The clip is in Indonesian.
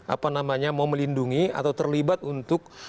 apa namanya mau melindungi atau terlibat untuk